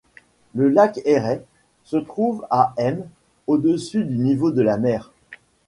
Le lac Erhai se trouve à m au-dessus du niveau de la mer.